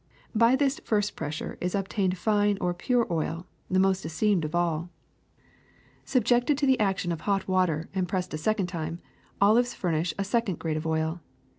By this first pressure is obtained fine or pure oil, the most esteemed of all. Subjected to the OLIVE OIL 209 action of hot water and pressed a second time, olives furnish a second grade of oil.